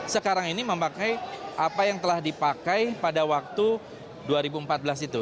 sekarang ini memakai apa yang telah dipakai pada waktu dua ribu empat belas itu